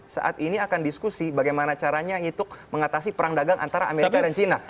saat ini akan diskusi bagaimana caranya untuk mengatasi perang dagang antara amerika dan china